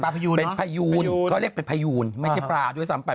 เป็นพายูนเขาเรียกเป็นพายูนไม่ใช่ปลาโดยสำปัด